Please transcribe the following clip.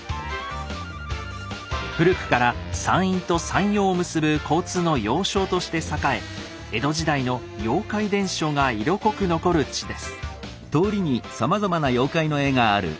古くから山陰と山陽を結ぶ交通の要衝として栄え江戸時代の妖怪伝承が色濃く残る地です。